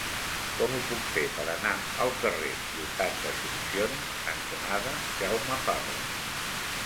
Com ho puc fer per anar al carrer Ciutat d'Asunción cantonada Jaume Fabre?